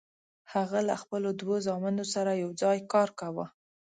هغه له خپلو دوو زامنو سره یوځای کار کاوه.